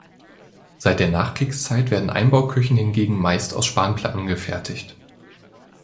Seit der Nachkriegszeit werden Einbauküchen hingegen meist aus Spanplatten gefertigt.